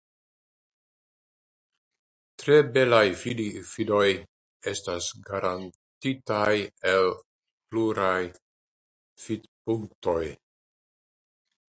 Tre belaj vidoj estas garantitaj el pluraj vidpunktoj.